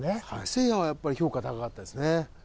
誠也はやっぱり評価高かったですね。